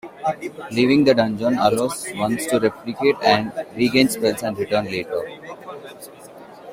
Leaving the dungeon allows one to recuperate and regain spells and return later.